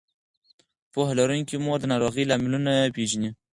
پوهه لرونکې مور د ناروغۍ لاملونه پېژني.